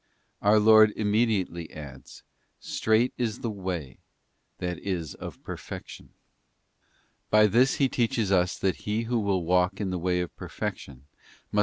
Our Lord immediately adds, ' Strait is the way,' that is of perfection. By this He teaches us that He who will walk in the way of perfection must.